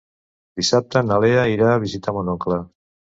Dissabte na Lea irà a visitar mon oncle.